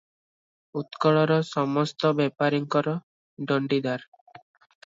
ଉତ୍କଳର ସମସ୍ତ ବେପରୀଙ୍କର ଦଣ୍ଡିଦାର ।